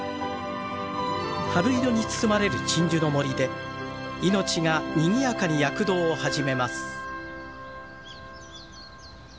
春色に包まれる鎮守の森で命がにぎやかに躍動を始めます。